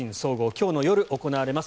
今日の夜、行われます。